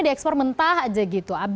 di ekspor mentah aja gitu